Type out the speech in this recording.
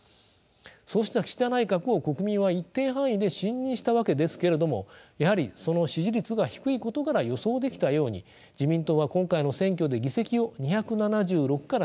そうした岸田内閣を国民は一定範囲で信任したわけですけれどもやはりその支持率が低いことから予想できたように自民党は今回の選挙で議席を２７６から２６１に落としました。